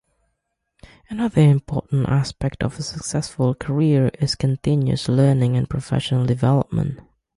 Another important aspect of a successful career is continuous learning and professional development.